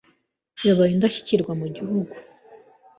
yabaye Indashyikirwa mu gihugu